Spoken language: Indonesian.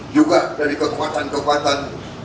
juga dari kekuatan kekuatan